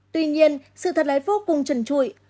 tuy nhiên sự thật lại vô cùng trần trụi